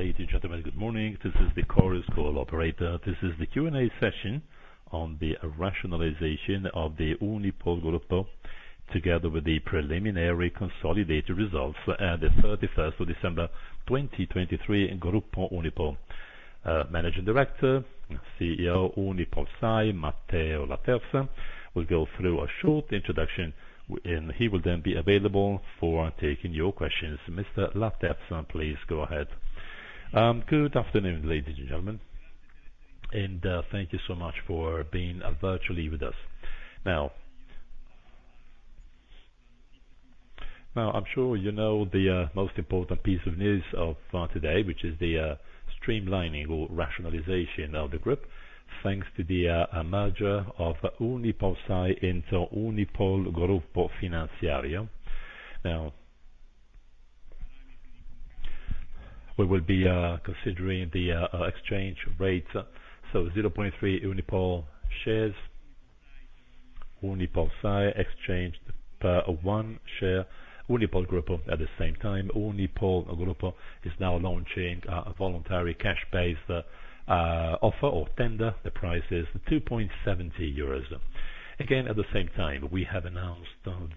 Ladies and gentlemen, good morning. This is the Chorus Call operator. This is the Q&A session on the rationalization of the Unipol Gruppo, together with the preliminary consolidated results at the 31st of December, 2023, Gruppo Unipol. Managing Director, CEO UnipolSai, Matteo Laterza, will go through a short introduction, and he will then be available for taking your questions. Mr. Laterza, please go ahead. Good afternoon, ladies and gentlemen, and thank you so much for being virtually with us. Now, I'm sure you know the most important piece of news of today, which is the streamlining or rationalization of the group, thanks to the merger of UnipolSai into Unipol Gruppo. Now, we will be considering the exchange rate. So 0.3 Unipol shares, UnipolSai exchanged per one share Unipol Gruppo. At the same time, Unipol Gruppo is now launching a voluntary cash-based offer or tender. The price is 2.70 euros. Again, at the same time, we have announced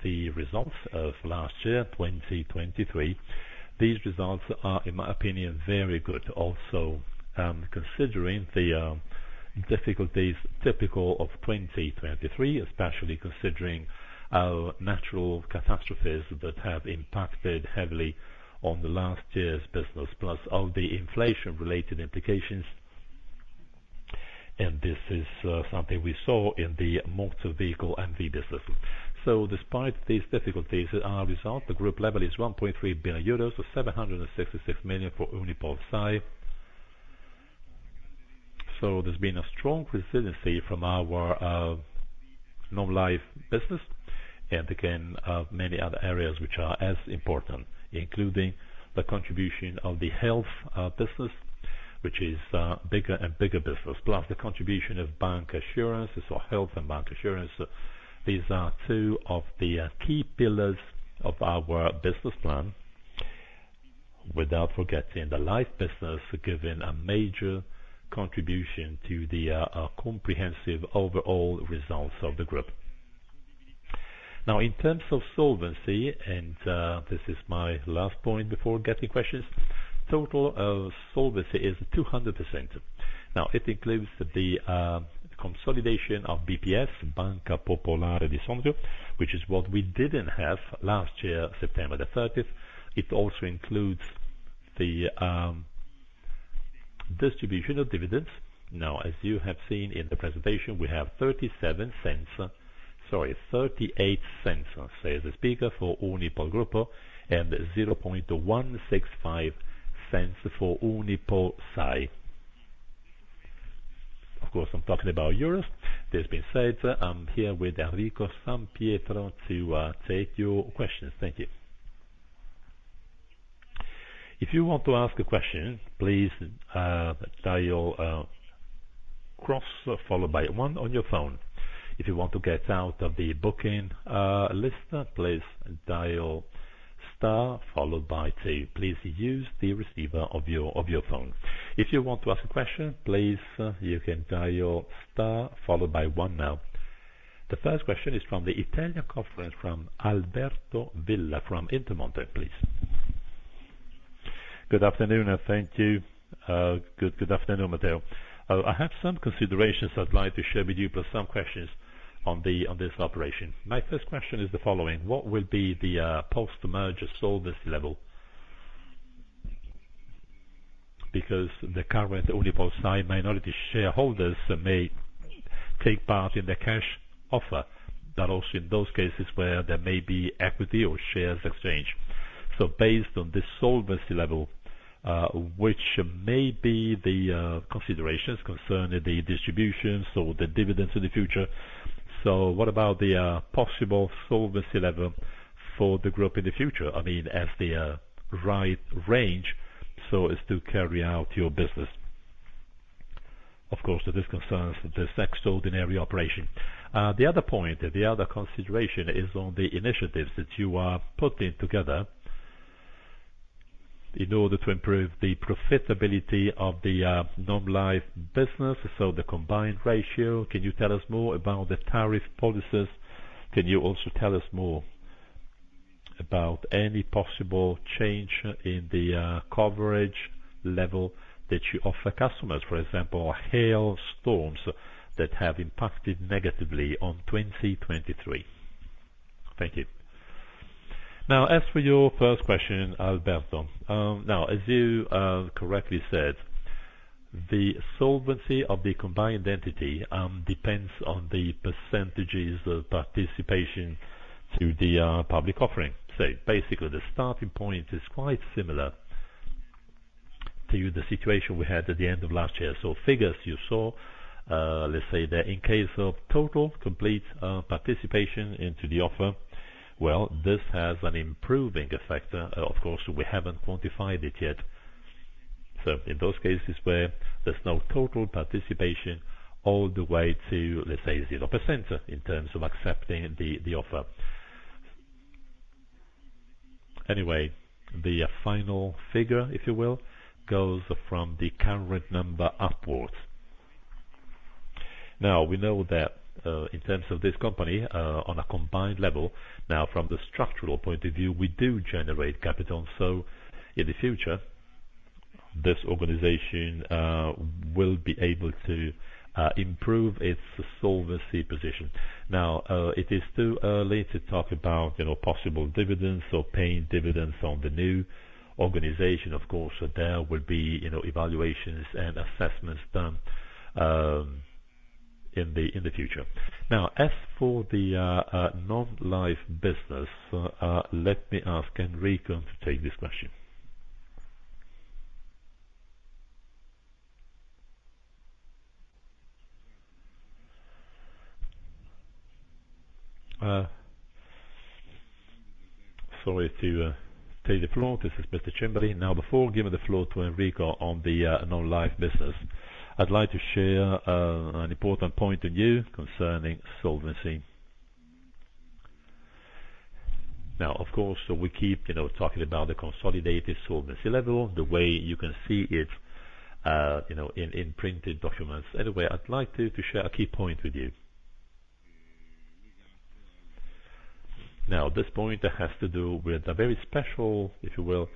the results of last year, 2023. These results are, in my opinion, very good, also considering the difficulties typical of 2023, especially considering natural catastrophes that have impacted heavily on the last year's business, plus all the inflation-related implications. And this is something we saw in the motor vehicle MV business. So despite these difficulties, our result, the group level, is 1.3 billion euros, or 766 million for UnipolSai. So there's been a strong resiliency from our non-life business, and again, many other areas which are as important, including the contribution of the health business, which is bigger and bigger business, plus the contribution of bancassurance. So health and bancassurance, these are two of the key pillars of our business plan, without forgetting the life business, giving a major contribution to the comprehensive overall results of the group. Now, in terms of solvency, and this is my last point before getting questions, total solvency is 200%. Now, it includes the consolidation of BPS, Banca Popolare di Sondrio, which is what we didn't have last year, September the 30th. It also includes the distribution of dividends. Now, as you have seen in the presentation, we have 0.37, sorry, 0.38 for Unipol Gruppo and 0.165 for UnipolSai. Of course, I'm talking about euros. There's been sights. I'm here with Enrico San Pietro to take your questions. Thank you. If you want to ask a question, please dial star followed by one on your phone. If you want to get out of the booking list, please dial star, followed by two. Please use the receiver of your phone. If you want to ask a question, please, you can dial star, followed by one now. The first question is from the line of Alberto Villa from Intermonte, please. Good afternoon, thank you. Good, good afternoon, Matteo. I have some considerations I'd like to share with you, plus some questions on this operation. My first question is the following: what will be the post-merger solvency level? Because the current UnipolSai minority shareholders may take part in the cash offer, but also in those cases where there may be equity or shares exchanged. So based on this solvency level, which may be the considerations concerning the distributions or the dividends in the future, so what about the possible solvency level for the group in the future? I mean, as the right range, so as to carry out your business. Of course, this concerns this extraordinary operation. The other point, the other consideration, is on the initiatives that you are putting together in order to improve the profitability of the normal life business, so the combined ratio. Can you tell us more about the tariff policies? Can you also tell us more about any possible change in the coverage level that you offer customers, for example, hailstorms that have impacted negatively on 2023? Thank you. Now, as for your first question, Alberto, now, as you correctly said, the solvency of the combined entity depends on the percentages of participation to the public offering.v So basically, the starting point is quite similar to the situation we had at the end of last year. So figures you saw, let's say that in case of total, complete, participation into the offer, well, this has an improving effect. Of course, we haven't quantified it yet. So in those cases where there's no total participation all the way to, let's say, 0% in terms of accepting the offer. Anyway, final figure, if you will, goes from the current number upwards. Now, we know that, in terms of this company, on a combined level, now, from the structural point of view, we do generate capital. So in the future, this organization, will be able to, improve its solvency position. Now, it is too early to talk about, you know, possible dividends or paying dividends on the new organization. Of course, there will be, you know, evaluations and assessments done, in the future. Now, as for the normal life business, let me ask Enrico to take this question. Sorry to take the floor. This is Mr. Cimbri. Now, before giving the floor to Enrico on the normal life business, I'd like to share an important point with you concerning solvency. Now, of course, so we keep, you know, talking about the consolidated solvency level, the way you can see it, you know, in printed documents. Anyway, I'd like to share a key point with you. Now, this point has to do with a very special, if you will,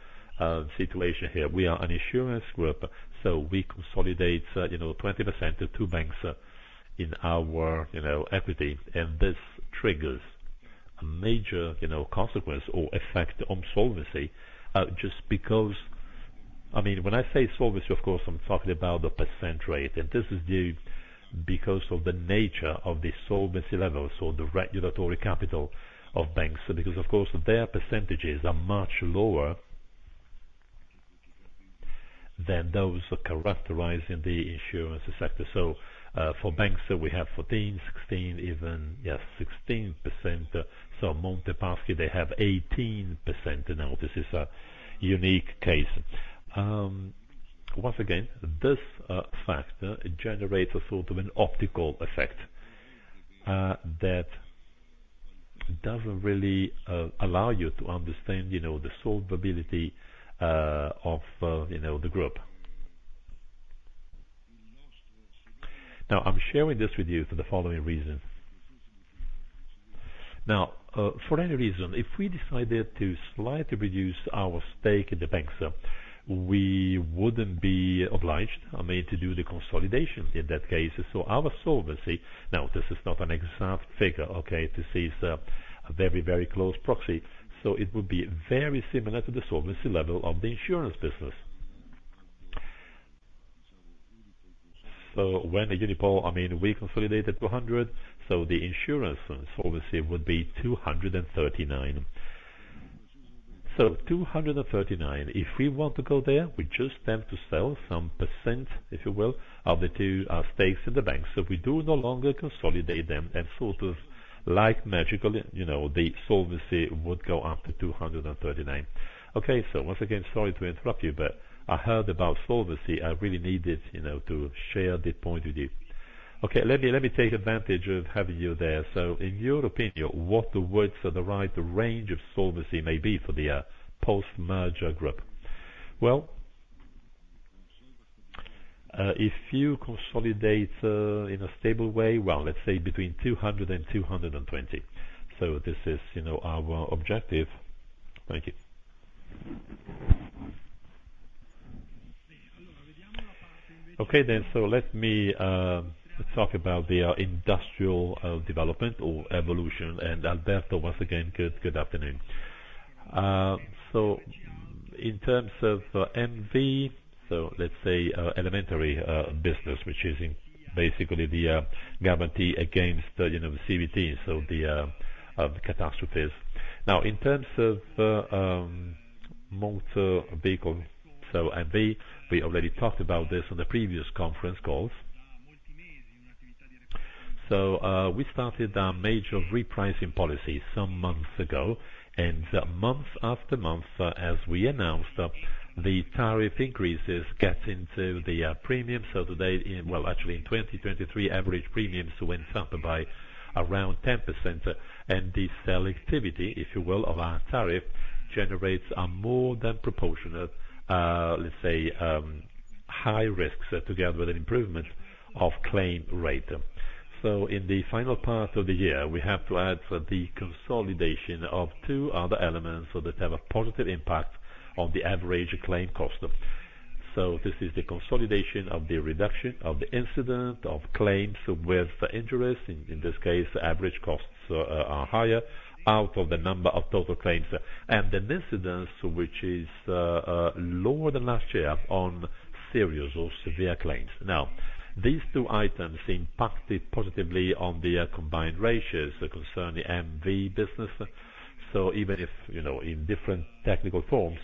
situation here. We are an insurance group, so we consolidate, you know, 20% of two banks, in our, you know, equity. This triggers a major, you know, consequence or effect on solvency, just because I mean, when I say solvency, of course, I'm talking about the percentage rate. This is due because of the nature of the solvency level, so the regulatory capital of banks, because, of course, their percentages are much lower than those characterizing the insurance sector. So, for banks, we have 14%, 16%, even yes, 16%. So Monte Paschi, they have 18%. Now, this is a unique case. Once again, this factor generates a sort of an optical effect, that doesn't really allow you to understand, you know, the solvency, of, you know, the group. Now, I'm sharing this with you for the following reason. Now, for any reason, if we decided to slightly reduce our stake in the banks, we wouldn't be obliged, I mean, to do the consolidation in that case. So our solvency now, this is not an exact figure, okay? This is a very, very close proxy. So it would be very similar to the solvency level of the insurance business. So when Unipol I mean, we consolidated 200, so the insurance solvency would be 239. So 239, if we want to go there, we just tend to sell some percent, if you will, of the two stakes in the banks. So we do no longer consolidate them. And sort of like magically, you know, the solvency would go up to 239. Okay? So once again, sorry to interrupt you, but I heard about solvency. I really needed, you know, to share this point with you. Okay? Let me let me take advantage of having you there. So in your opinion, what would, so the right range of solvency may be for the post-merger group? Well, if you consolidate, in a stable way, well, let's say between 200 and 220. So this is, you know, our objective. Thank you. Okay then. So let me talk about the industrial development or evolution. And Alberto, once again, good afternoon. So in terms of MV, so let's say elementary business, which is basically the guarantee against, you know, the CVT, so the catastrophes. Now, in terms of motor vehicle, so MV, we already talked about this on the previous conference calls. So we started major repricing policies some months ago. And month after month, as we announced, the tariff increases get into the premium. So today, well, actually, in 2023, average premiums went up by around 10%. And the selectivity, if you will, of our tariff generates a more than proportionate, let's say, high risks together with an improvement of claim rate. So in the final part of the year, we have to add the consolidation of two other elements, so they have a positive impact on the average claim cost. So this is the consolidation of the reduction of the incidence of claims with interest. In this case, average costs are higher out of the number of total claims, and an incidence which is lower than last year on serious or severe claims. Now, these two items impacted positively on the combined ratios concerning MV business. So even if, you know, in different technical forms,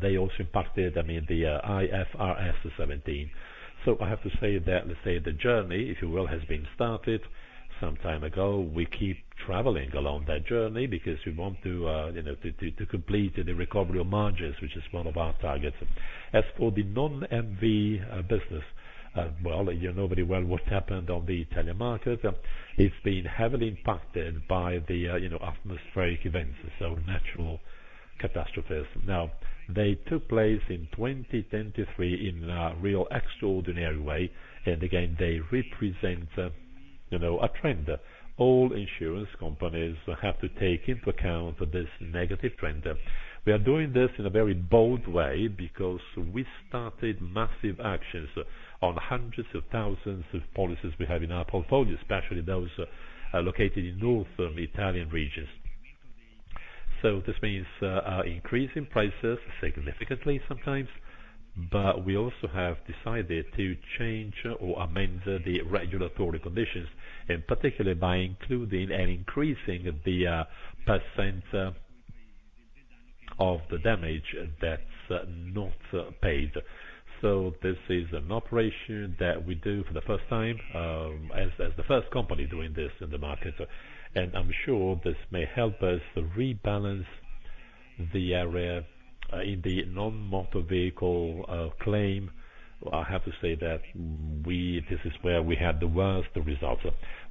they also impacted, I mean, the IFRS 17. So I have to say that, let's say, the journey, if you will, has been started some time ago. We keep traveling along that journey because we want to, you know, to complete the recovery of margins, which is one of our targets. As for the non-MV business, well, you know very well what happened on the Italian market. It's been heavily impacted by the, you know, atmospheric events, so natural catastrophes. Now, they took place in 2023 in a real extraordinary way. And again, they represent, you know, a trend. All insurance companies have to take into account this negative trend. We are doing this in a very bold way because we started massive actions on hundreds of thousands of policies we have in our portfolio, especially those located in northern Italian regions. So this means increasing prices significantly sometimes. But we also have decided to change or amend the regulatory conditions, and particularly by including and increasing the percent of the damage that's not paid. So this is an operation that we do for the first time, as the first company doing this in the market. I'm sure this may help us rebalance the area, in the non-motor vehicle claim. I have to say that we this is where we had the worst results.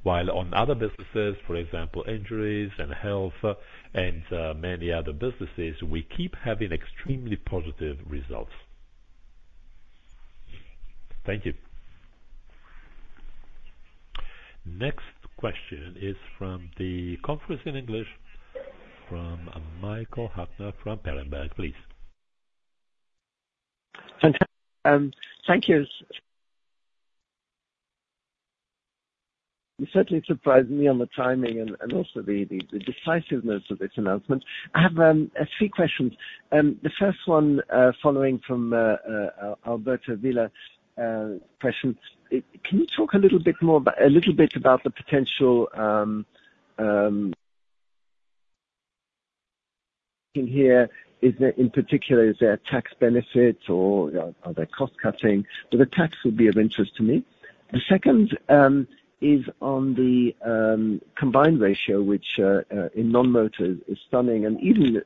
While on other businesses, for example, injuries and health and many other businesses, we keep having extremely positive results. Thank you. Next question is from the conference in English, from Michael Huttner from Berenberg, please. Thank you. Certainly surprised me on the timing and also the decisiveness of this announcement. I have a few questions. The first one, following from Alberto Villa question, can you talk a little bit more about a little bit about the potential, in here, is there in particular, is there a tax benefit or are there cost cutting? But the tax would be of interest to me. The second is on the combined ratio, which in non-motor is stunning. And even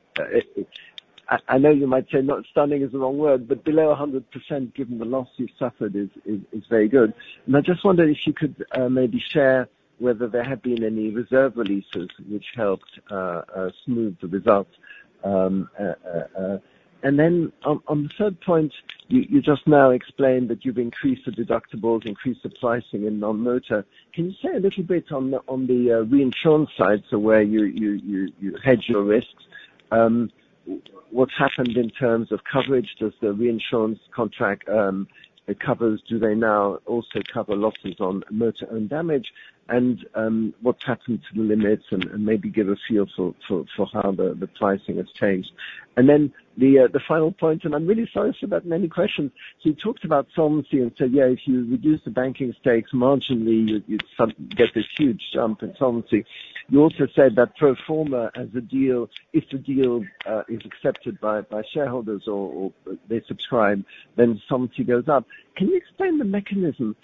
I know you might say not stunning is the wrong word, but below 100% given the loss you've suffered is very good. I just wondered if you could maybe share whether there have been any reserve releases which helped smooth the results? Then on the third point, you just now explained that you've increased the deductibles, increased the pricing in non-motor. Can you say a little bit on the reinsurance side, so where you hedge your risks? What's happened in terms of coverage? Does the reinsurance contract, it covers do they now also cover losses on motor-owned damage? And what's happened to the limits and maybe give a feel for how the pricing has changed. Then the final point, and I'm really sorry for that many questions. So you talked about solvency and said, "Yeah, if you reduce the banking stakes marginally, you, you'd some get this huge jump in solvency." You also said that pro forma as a deal if the deal is accepted by shareholders or they subscribe, then solvency goes up. Can you explain the mechanism?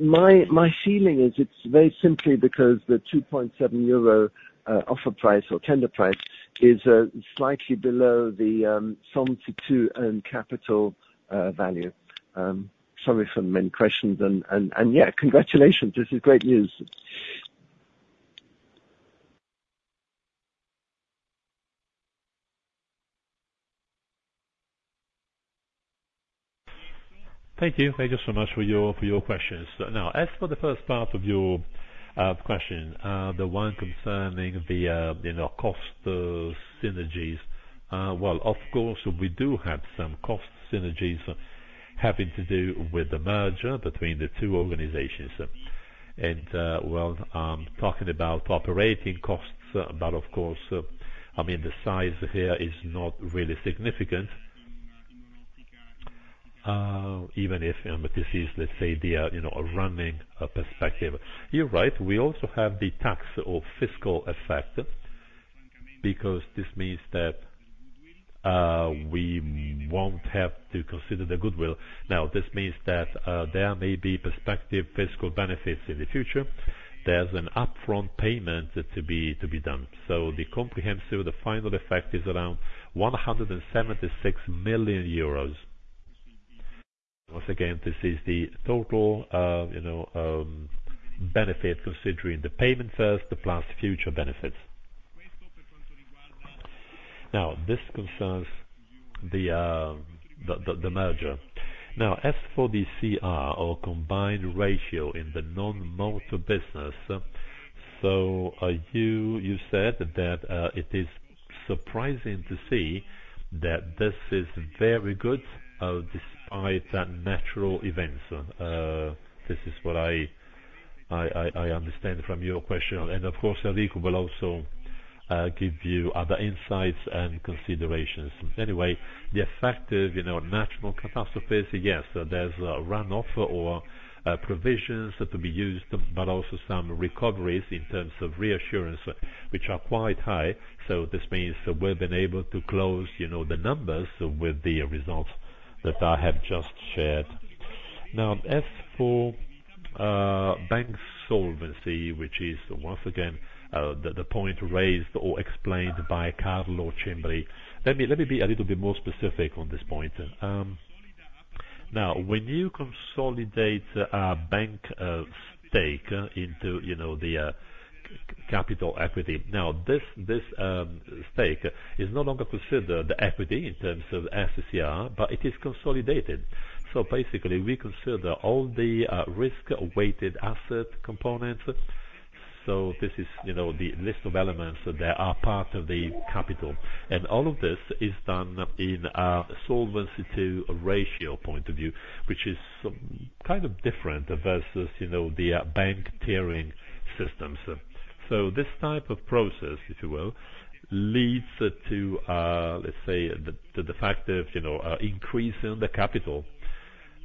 My feeling is it's very simply because the 2.7 euro offer price or tender price is slightly below the Solvency II own capital value. Sorry for many questions. And yeah, congratulations. This is great news. Thank you. Thank you so much for your questions. Now, as for the first part of your question, the one concerning the, you know, cost synergies, well, of course, we do have some cost synergies having to do with the merger between the two organizations. Well, I'm talking about operating costs, but of course, I mean, the size here is not really significant, even if, you know, but this is, let's say, the, you know, a running perspective. You're right. We also have the tax or fiscal effect because this means that, we won't have to consider the goodwill. Now, this means that, there may be perspective fiscal benefits in the future. There's an upfront payment to be done. So the comprehensive final effect is around 176 million euros. Once again, this is the total, you know, benefit considering the payment first plus future benefits. Now, this concerns the merger. Now, as for the CR or Combined Ratio in the non-motor business, so, you said that, it is surprising to see that this is very good, despite that natural events. This is what I understand from your question. And of course, Enrico will also give you other insights and considerations. Anyway, the effective, you know, natural catastrophes, yes, there's a runoff or provisions to be used, but also some recoveries in terms of reinsurance, which are quite high. So this means we've been able to close, you know, the numbers with the results that I have just shared. Now, as for bank solvency, which is once again the point raised or explained by Carlo Cimbri, let me be a little bit more specific on this point. Now, when you consolidate bank stake into, you know, the capital equity, now this stake is no longer considered the equity in terms of SCR, but it is consolidated. So basically, we consider all the risk-weighted asset components. So this is, you know, the list of elements that are part of the capital. And all of this is done in a Solvency II ratio point of view, which is kind of different versus, you know, the bank tiering systems. So this type of process, if you will, leads to, let's say, the de facto of, you know, increasing the capital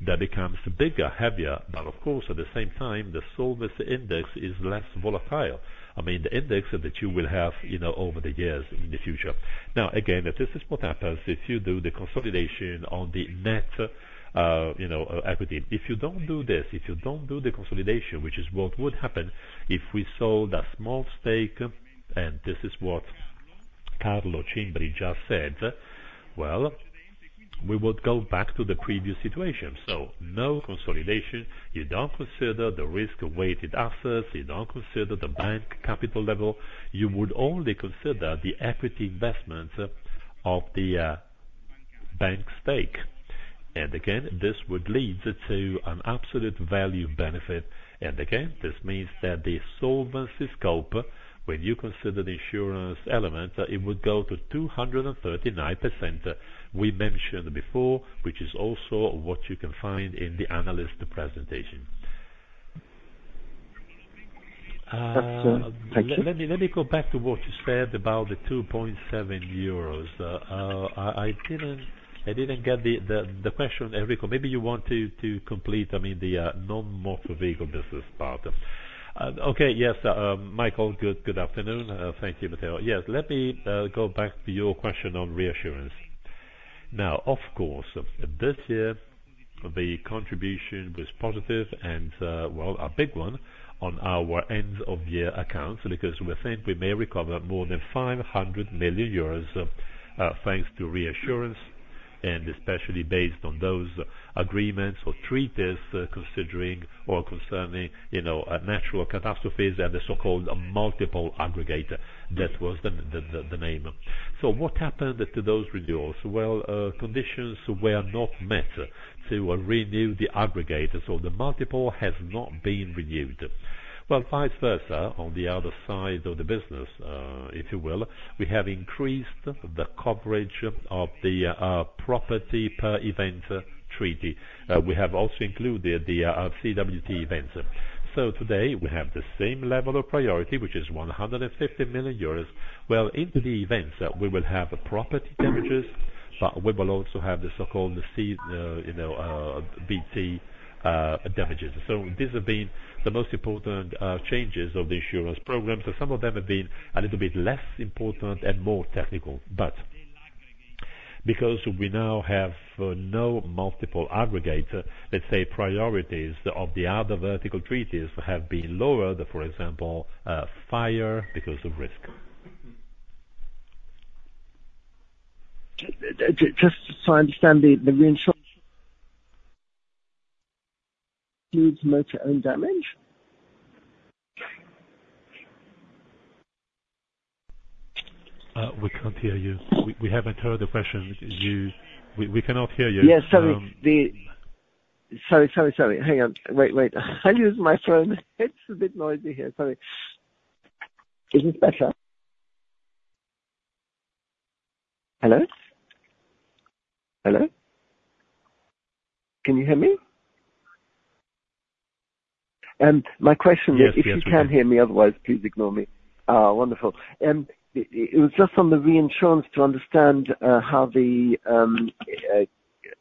that becomes bigger, heavier. But of course, at the same time, the solvency index is less volatile, I mean, the index that you will have, you know, over the years in the future. Now, again, this is what happens if you do the consolidation on the net, you know, equity. If you don't do this, if you don't do the consolidation, which is what would happen if we sold a small stake and this is what Carlo Cimbri just said, well, we would go back to the previous situation. So no consolidation. You don't consider the risk-weighted assets. You don't consider the bank capital level. You would only consider the equity investments of the, bank stake. And again, this would lead to an absolute value benefit. And again, this means that the solvency scope, when you consider the insurance element, it would go to 239% we mentioned before, which is also what you can find in the analyst presentation. Thank you. Let me let me go back to what you said about the 2.7 euros. I, I didn't I didn't get the, the, the question, Enrico. Maybe you want to, to complete, I mean, the, non-motor vehicle business part. Okay. Yes. Michael, good afternoon. Thank you, Matteo. Yes. Let me go back to your question on reinsurance. Now, of course, this year, the contribution was positive and, well, a big one on our end-of-year accounts because we think we may recover more than 500 million euros, thanks to reinsurance, and especially based on those agreements or treaties considering or concerning, you know, natural catastrophes and the so-called multiple aggregator that was the name. So what happened to those renewals? Well, conditions were not met to renew the aggregator, so the multiple has not been renewed. Well, vice versa, on the other side of the business, if you will, we have increased the coverage of the property per event treaty. We have also included the CWT events. So today, we have the same level of priority, which is 150 million euros. Well, into the events, we will have property damages, but we will also have the so-called C, you know, BT, damages. So these have been the most important, changes of the insurance programs. So some of them have been a little bit less important and more technical. But because we now have no multiple aggregator, let's say, priorities of the other vertical treaties have been lowered, for example, fire because of risk. Just to understand, the reinsurance includes motor-owned damage? We can't hear you. We haven't heard the question. You, we cannot hear you. Yes. Sorry. Sorry, sorry, sorry. Hang on. Wait, wait. I'll use my phone. It's a bit noisy here. Sorry. Is this better? Hello? Hello? Can you hear me? My question is if you can hear me, otherwise, please ignore me. Wonderful. It was just on the reinsurance to understand how the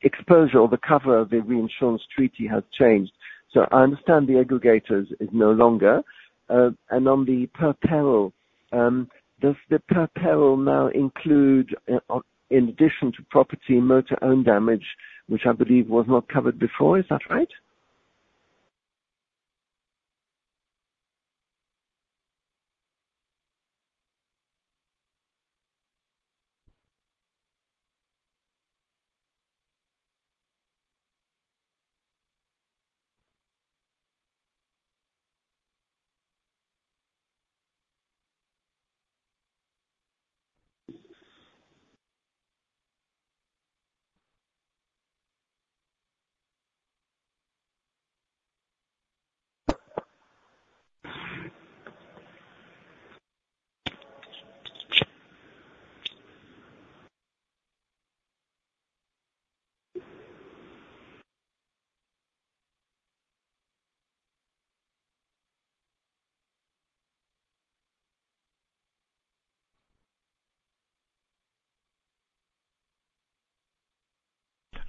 exposure or the cover of the reinsurance treaty has changed. So I understand the aggregates is no longer. And on the per-peril, does the per-peril now include or in addition to property, motor own damage, which I believe was not covered before? Is that right?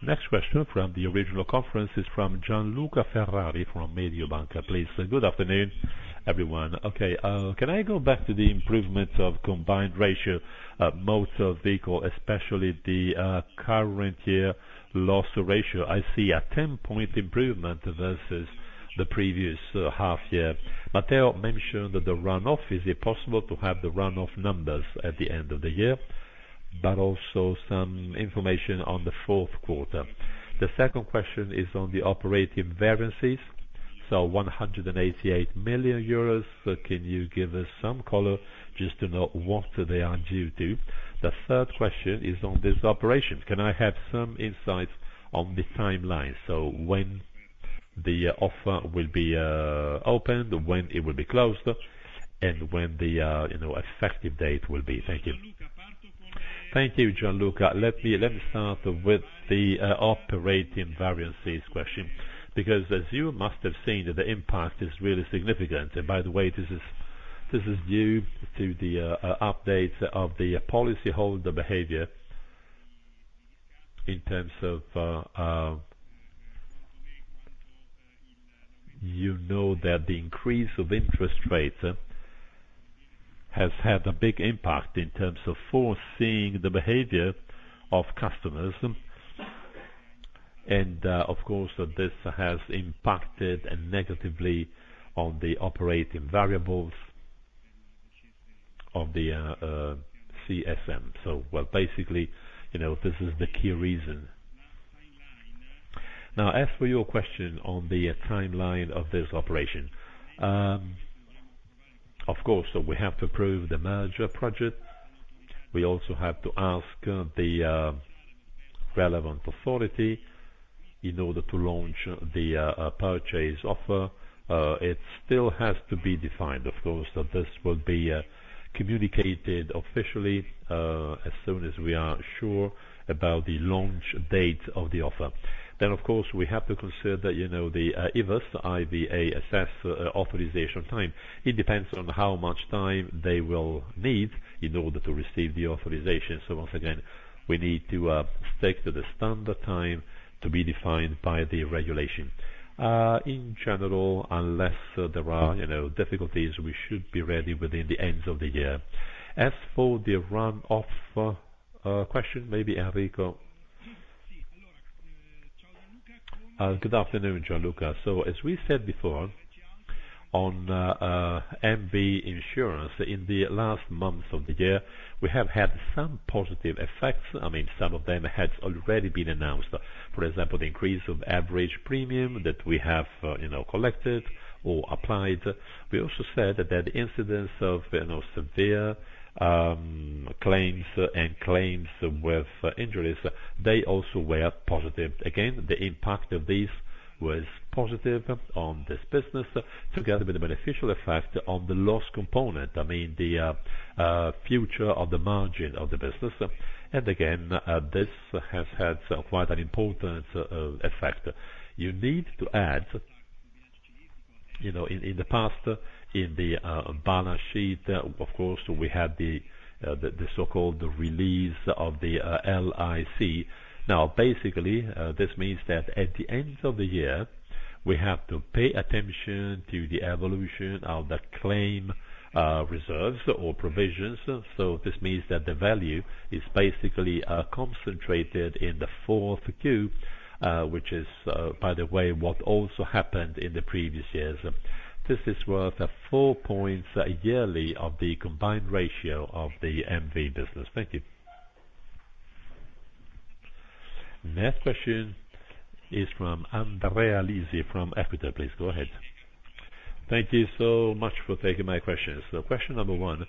Next question from the original conference is from Gianluca Ferrari from Mediobanca, please. Good afternoon, everyone. Okay. Can I go back to the improvement of combined ratio, motor vehicle, especially the current year loss ratio? I see a 10-point improvement versus the previous half-year. Matteo mentioned that the runoff. Is it possible to have the runoff numbers at the end of the year, but also some information on the fourth quarter? The second question is on the operating variances. So 188 million euros, can you give us some color just to know what they are due to? The third question is on these operations. Can I have some insights on the timeline, so when the offer will be opened, when it will be closed, and when the, you know, effective date will be? Thank you. Thank you, Gianluca. Let me let me start with the operating variances question because, as you must have seen, the impact is really significant. And by the way, this is this is due to the updates of the policyholder behavior in terms of, you know that the increase of interest rates has had a big impact in terms of foreseeing the behavior of customers. And, of course, this has impacted negatively on the operating variables of the CSM. So, well, basically, you know, this is the key reason. Now, as for your question on the timeline of this operation, of course, so we have to approve the merger project. We also have to ask the relevant authority in order to launch the purchase offer. It still has to be defined, of course, that this will be communicated officially, as soon as we are sure about the launch date of the offer. Then, of course, we have to consider that, you know, the IVASS, I-V-A-S-S, authorization time. It depends on how much time they will need in order to receive the authorization. So once again, we need to stick to the standard time to be defined by the regulation. In general, unless there are, you know, difficulties, we should be ready within the end of the year. As for the runoff question, maybe Enrico? Good afternoon, Gianluca. As we said before on MV insurance, in the last months of the year, we have had some positive effects. I mean, some of them had already been announced. For example, the increase of average premium that we have, you know, collected or applied. We also said that the incidence of, you know, severe claims and claims with injuries, they also were positive. Again, the impact of these was positive on this business together with the beneficial effect on the loss component, I mean, the future of the margin of the business. And again, this has had quite an important effect. You need to add, you know, in the past, in the balance sheet, of course, we had the so-called release of the LIC. Now, basically, this means that at the end of the year, we have to pay attention to the evolution of the claim, reserves or provisions. So this means that the value is basically, concentrated in the fourth Q, which is, by the way, what also happened in the previous years. This is worth four points yearly of the combined ratio of the MV business. Thank you. Next question is from Andrea Lisi from Equita, please. Go ahead. Thank you so much for taking my questions. So question number one,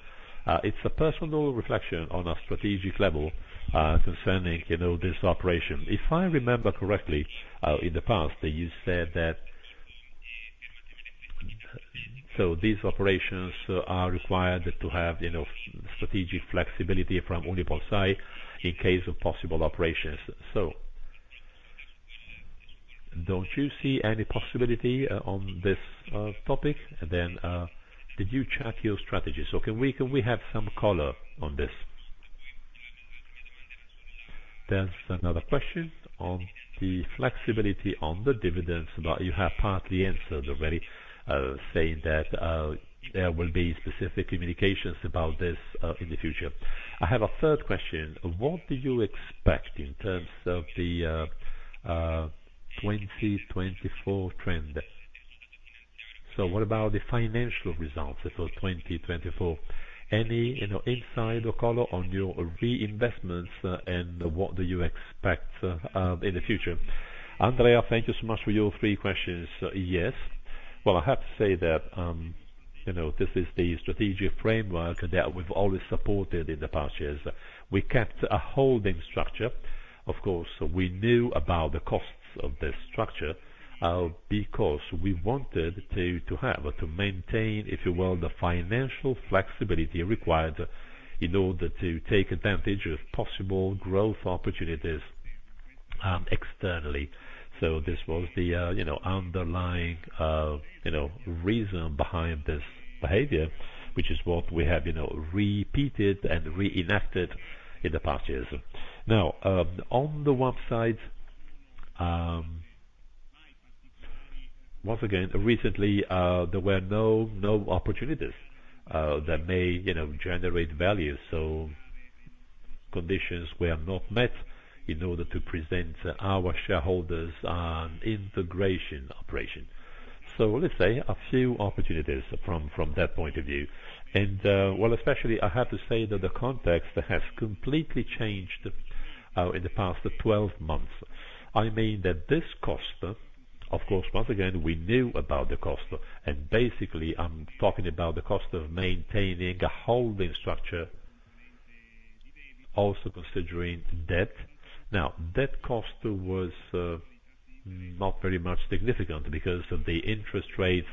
it's a personal reflection on a strategic level, concerning, you know, this operation. If I remember correctly, in the past, you said that so these operations, are required to have, you know, strategic flexibility from UnipolSai in case of possible operations. So don't you see any possibility, on this, topic? And then, did you check your strategy? So can we can we have some color on this? There's another question on the flexibility on the dividends, but you have partly answered already, saying that there will be specific communications about this in the future. I have a third question. What do you expect in terms of the 2024 trend? So what about the financial results for 2024? Any, you know, insight or color on your reinvestments and what do you expect in the future? Andrea, thank you so much for your three questions. Yes. Well, I have to say that, you know, this is the strategic framework that we've always supported in the past years. We kept a holding structure. Of course, we knew about the costs of this structure, because we wanted to, to have, to maintain, if you will, the financial flexibility required in order to take advantage of possible growth opportunities, externally. So this was the, you know, underlying, you know, reason behind this behavior, which is what we have, you know, repeated and reenacted in the past years. Now, on the one side, once again, recently, there were no, no opportunities that may, you know, generate value. So conditions were not met in order to present our shareholders integration operation. So let's say a few opportunities from, from that point of view. And, well, especially, I have to say that the context has completely changed in the past 12 months. I mean that this cost of course, once again, we knew about the cost. And basically, I'm talking about the cost of maintaining a holding structure, also considering debt. Now, debt cost was not very much significant because of the interest rate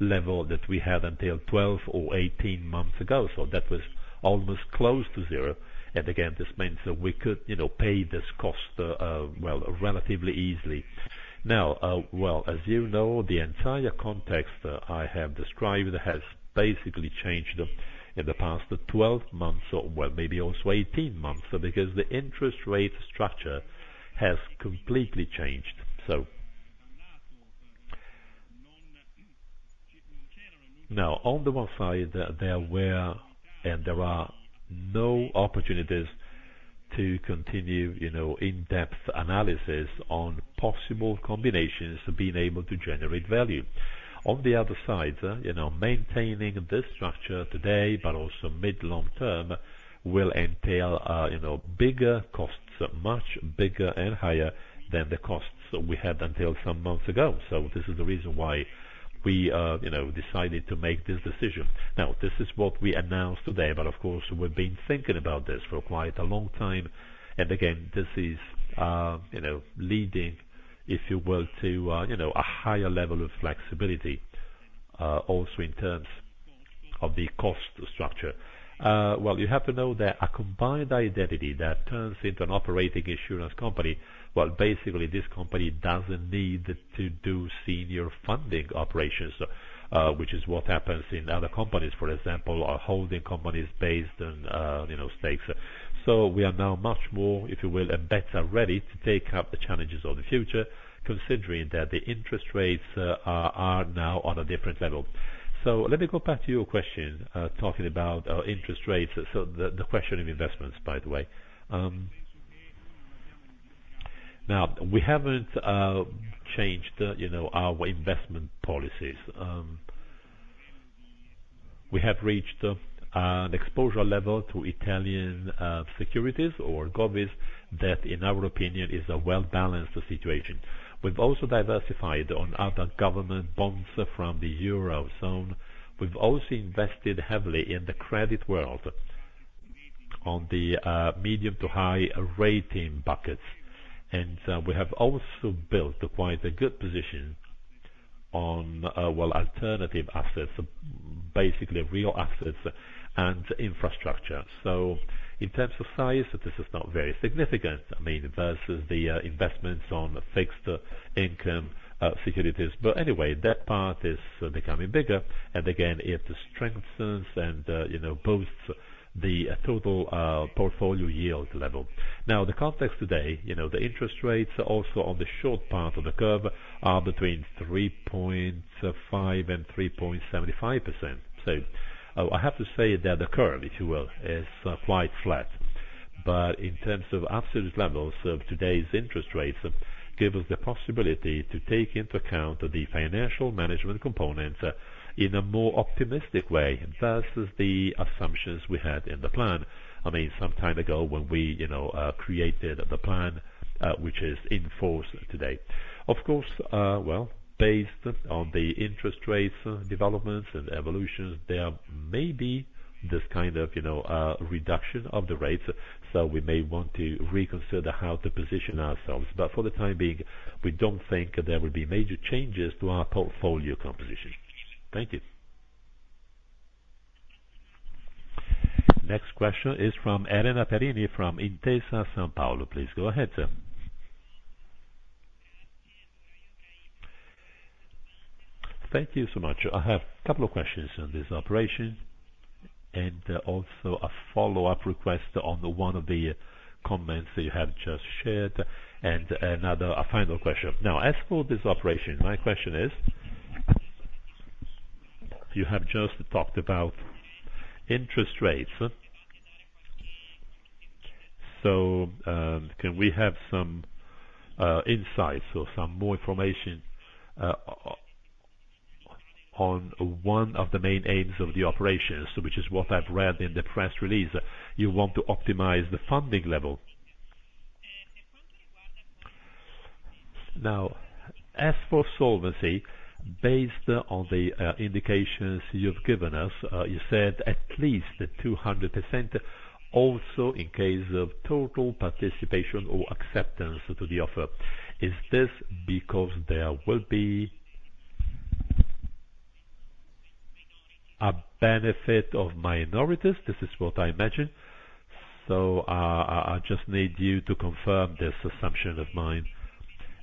level that we had until 12 or 18 months ago. So that was almost close to zero. And again, this means that we could, you know, pay this cost, well, relatively easily. Now, well, as you know, the entire context I have described has basically changed in the past 12 months or, well, maybe also 18 months because the interest rate structure has completely changed. So now, on the one side, there were and there are no opportunities to continue, you know, in-depth analysis on possible combinations being able to generate value. On the other side, you know, maintaining this structure today, but also mid-long term, will entail, you know, bigger costs, much bigger and higher than the costs we had until some months ago. So this is the reason why we, you know, decided to make this decision. Now, this is what we announced today, but of course, we've been thinking about this for quite a long time. Again, this is, you know, leading, if you will, to, you know, a higher level of flexibility, also in terms of the cost structure. Well, you have to know that a combined identity that turns into an operating insurance company, well, basically, this company doesn't need to do senior funding operations, which is what happens in other companies, for example, holding companies based on, you know, stakes. So we are now much more, if you will, and better ready to take up the challenges of the future considering that the interest rates are now on a different level. So let me go back to your question, talking about interest rates. So the question of investments, by the way. Now, we haven't changed, you know, our investment policies. We have reached an exposure level to Italian securities or Govies that, in our opinion, is a well-balanced situation. We've also diversified on other government bonds from the euro zone. We've also invested heavily in the credit world on the medium to high rating buckets. And we have also built quite a good position on, well, alternative assets, basically real assets and infrastructure. So in terms of size, this is not very significant, I mean, versus the investments on fixed income securities. But anyway, that part is becoming bigger. And again, it strengthens and, you know, boosts the total portfolio yield level. Now, the context today, you know, the interest rates also on the short part of the curve are between 3.5% and 3.75%. So I have to say that the curve, if you will, is quite flat. But in terms of absolute levels, today's interest rates give us the possibility to take into account the financial management components, in a more optimistic way versus the assumptions we had in the plan, I mean, some time ago when we, you know, created the plan, which is in force today. Of course, well, based on the interest rate developments and evolutions, there may be this kind of, you know, reduction of the rates. So we may want to reconsider how to position ourselves. But for the time being, we don't think there will be major changes to our portfolio composition. Thank you. Next question is from Elena Perini from Intesa Sanpaolo. Please go ahead. Thank you so much. I have a couple of questions on this operation and also a follow-up request on one of the comments that you have just shared and another a final question. Now, as for this operation, my question is, you have just talked about interest rates. So, can we have some insights or some more information on one of the main aims of the operations, which is what I've read in the press release? You want to optimize the funding level. Now, as for solvency, based on the indications you've given us, you said at least 200% also in case of total participation or acceptance to the offer. Is this because there will be a benefit of minorities? This is what I imagine. So, I just need you to confirm this assumption of mine.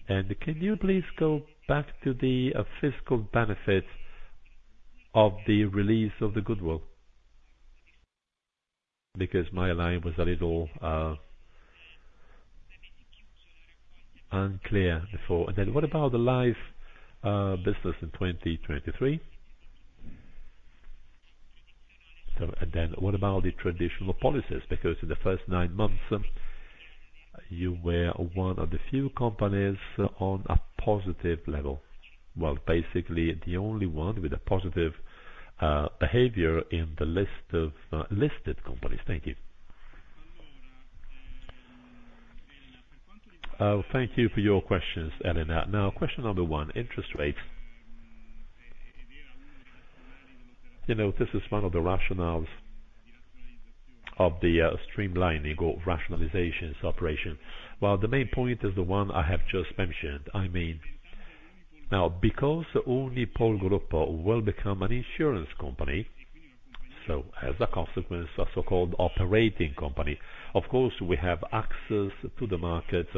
And can you please go back to the fiscal benefits of the release of the goodwill? Because my line was a little unclear before. And then what about the life business in 2023? And then what about the traditional policies? Because in the first nine months, you were one of the few companies on a positive level. Well, basically, the only one with a positive behavior in the list of listed companies. Thank you. Oh, thank you for your questions, Elena. Now, question number one, interest rates. You know, this is one of the rationales of the streamlining or rationalizations operation. Well, the main point is the one I have just mentioned. I mean, now, because Unipol Group will become an insurance company, so as a consequence, a so-called operating company, of course, we have access to the markets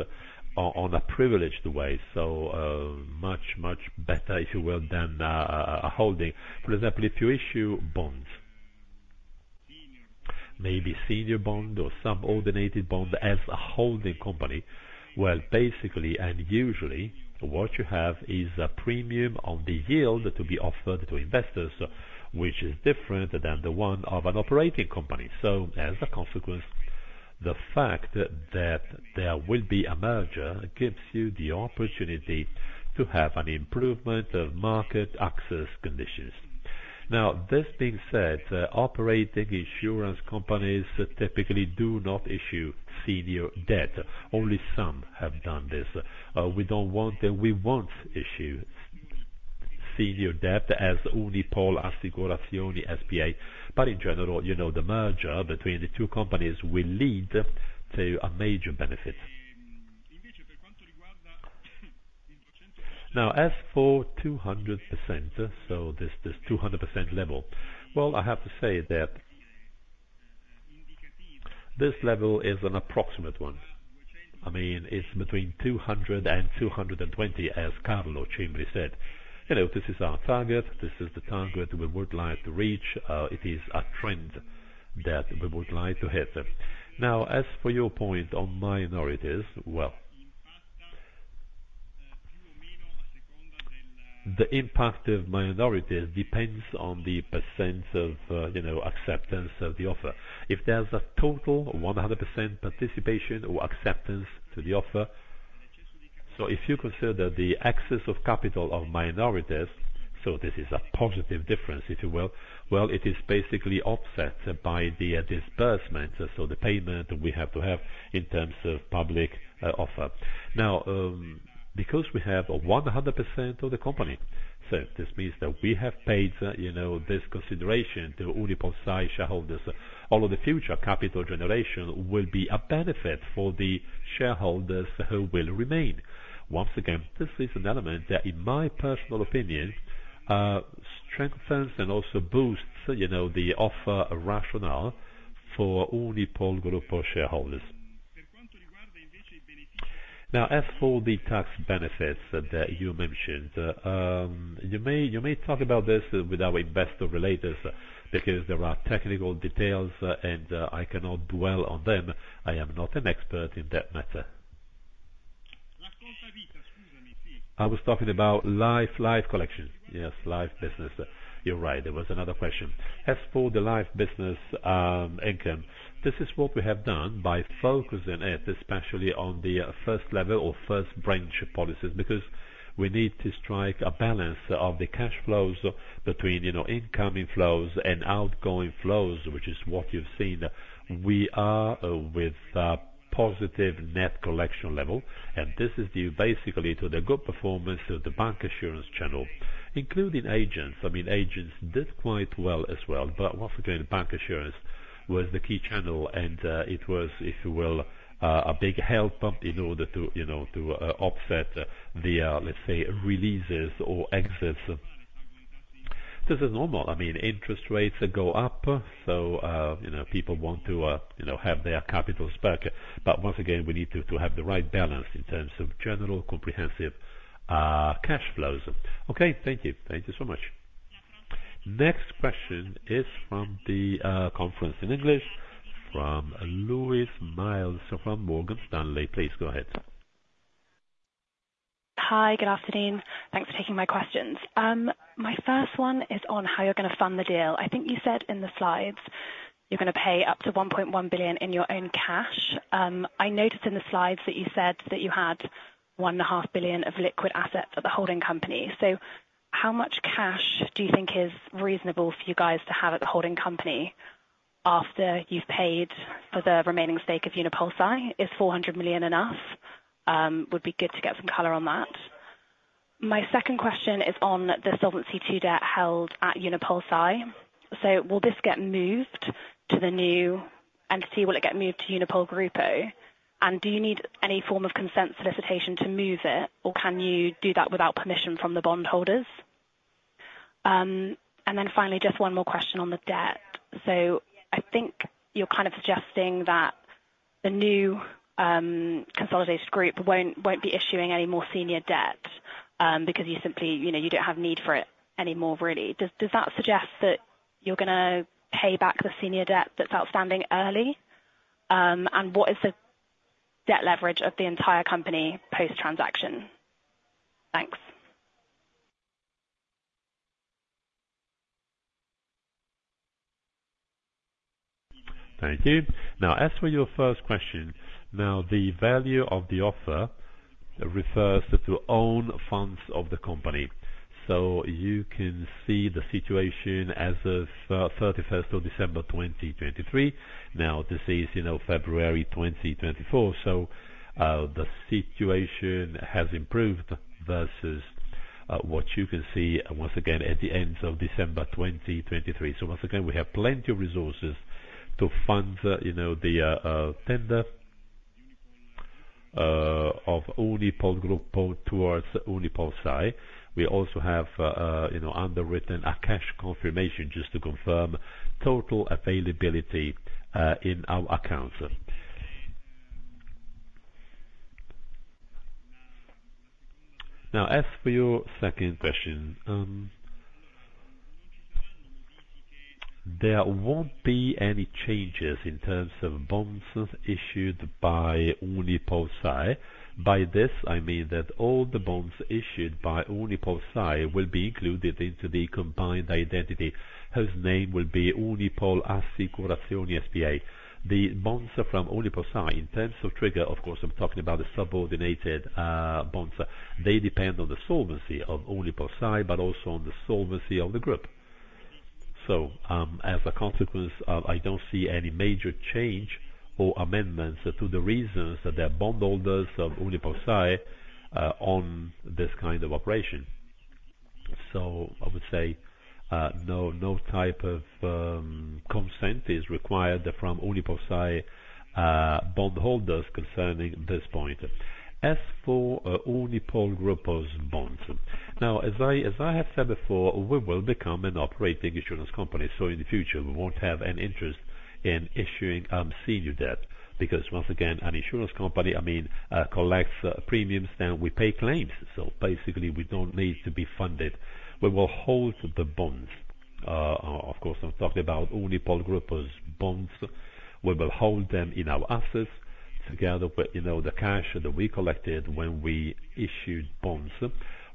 on a privileged way. So, much, much better, if you will, than a holding. For example, if you issue bonds, maybe senior bond or subordinated bond as a holding company, well, basically and usually, what you have is a premium on the yield to be offered to investors, which is different than the one of an operating company. So as a consequence, the fact that there will be a merger gives you the opportunity to have an improvement of market access conditions. Now, this being said, operating insurance companies typically do not issue senior debt. Only some have done this. We don't want we won't issue senior debt as Unipol Assicurazioni S.p.A. But in general, you know, the merger between the two companies will lead to a major benefit. Now, as for 200%, so this this 200% level, well, I have to say that this level is an approximate one. I mean, it's between 200% and 220% as Carlo Cimbri said. You know, this is our target. This is the target we would like to reach. It is a trend that we would like to hit. Now, as for your point on minorities, well, the impact of minorities depends on the percent of, you know, acceptance of the offer. If there's a total 100% participation or acceptance to the offer, so if you consider the excess of capital of minorities, so this is a positive difference, if you will, well, it is basically offset by the disbursement, so the payment we have to have in terms of public offer. Now, because we have 100% of the company, so this means that we have paid, you know, this consideration to UnipolSai shareholders, all of the future capital generation will be a benefit for the shareholders who will remain. Once again, this is an element that, in my personal opinion, strengthens and also boosts, you know, the offer rationale for Unipol Group shareholders. Now, as for the tax benefits that you mentioned, you may talk about this with our investor relations because there are technical details, and I cannot dwell on them. I am not an expert in that matter. I was talking about life collections. Yes, life business. You're right. There was another question. As for the life business income, this is what we have done by focusing it especially on the first level or first branch policies because we need to strike a balance of the cash flows between, you know, incoming flows and outgoing flows, which is what you've seen. We are with a positive net collection level. This is due basically to the good performance of the bancassurance. channel, including agents. I mean, agents did quite well as well. But once again, bank assurance was the key channel. And it was, if you will, a big help in order to, you know, offset the, let's say, releases or exits. This is normal. I mean, interest rates go up. So, you know, people want to, you know, have their capital stock. But once again, we need to have the right balance in terms of general comprehensive cash flows. Okay. Thank you. Thank you so much. Next question is from the conference in English, from Louise Miles from Morgan Stanley. Please go ahead. Hi. Good afternoon. Thanks for taking my questions. My first one is on how you're going to fund the deal. I think you said in the slides you're going to pay up to 1.1 billion in your own cash. I noticed in the slides that you said that you had 1.5 billion of liquid assets at the holding company. So how much cash do you think is reasonable for you guys to have at the holding company after you've paid for the remaining stake of UnipolSai? Is 400 million enough? Would be good to get some color on that. My second question is on the Solvency II debt held at UnipolSai. So will this get moved to the new entity? Will it get moved to Unipol Gruppo? And do you need any form of consent solicitation to move it, or can you do that without permission from the bondholders? And then finally, just one more question on the debt. So I think you're kind of suggesting that the new, consolidated group won't be issuing any more senior debt, because you simply, you know, you don't have need for it anymore, really. Does that suggest that you're going to pay back the senior debt that's outstanding early? And what is the debt leverage of the entire company post-transaction? Thanks. Thank you. Now, as for your first question, now, the value of the offer refers to own funds of the company. So you can see the situation as of 31st of December 2023. Now, this is, you know, February 2024. So the situation has improved versus what you can see, once again, at the end of December 2023. So once again, we have plenty of resources to fund, you know, the tender of Unipol Group towards UnipolSai. We also have, you know, underwritten a cash confirmation just to confirm total availability, in our accounts. Now, as for your second question, there won't be any changes in terms of bonds issued by UnipolSai. By this, I mean that all the bonds issued by UnipolSai will be included into the combined identity. Her name will be Unipol Assicurazioni S.p.A. The bonds from UnipolSai, in terms of trigger, of course, I'm talking about the subordinated, bonds. They depend on the solvency of UnipolSai but also on the solvency of the group. So, as a consequence, I don't see any major change or amendments to the reasons that they're bondholders of UnipolSai, on this kind of operation. So I would say, no, no type of, consent is required from UnipolSai, bondholders concerning this point. As for Unipol Gruppo's bonds, now, as I have said before, we will become an operating insurance company. So in the future, we won't have an interest in issuing senior debt because, once again, an insurance company, I mean, collects premiums. Then we pay claims. So basically, we don't need to be funded. We will hold the bonds. Of course, I'm talking about Unipol Gruppo's bonds. We will hold them in our assets together with, you know, the cash that we collected when we issued bonds.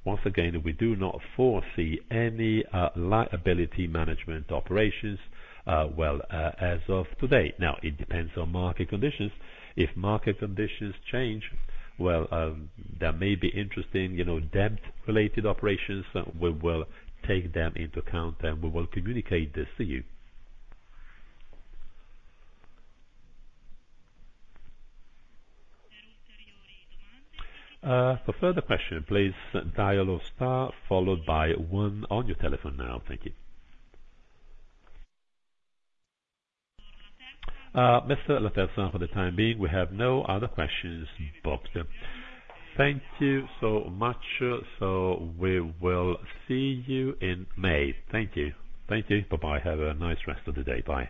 Once again, we do not foresee any liability management operations, well, as of today. Now, it depends on market conditions. If market conditions change, well, there may be interesting, you know, debt-related operations. We will take them into account, and we will communicate this to you. For further questions, please dial or start followed by one on your telephone now. Thank you. Mr. Laterza, for the time being, we have no other questions booked. Thank you so much. So we will see you in May. Thank you. Thank you. Bye-bye. Have a nice rest of the day. Bye.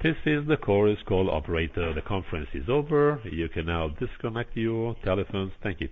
This is the chorus call operator. The conference is over. You can now disconnect your telephones. Thank you.